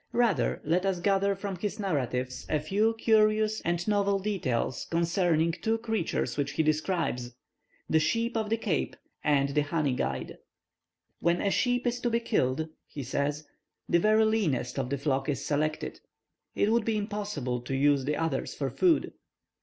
Rather let us gather from his narratives a few curious and novel details concerning two creatures which he describes, the sheep of the Cape, and the "honey guide." "When a sheep is to be killed," he says, "the very leanest of the flock is selected. It would be impossible to use the others for food.